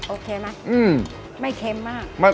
โอเคมั้ย